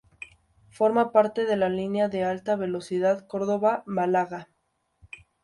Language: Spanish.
Forma parte de la línea de alta velocidad Córdoba-Málaga.